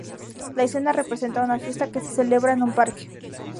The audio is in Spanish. La escena representa una fiesta que se celebra en un parque.